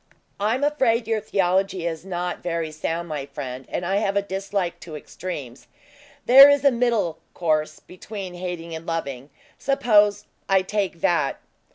"I am afraid your theology is not very sound, my friend, and I have a dislike to extremes. There is a middle course, between hating and loving. Suppose I take that?"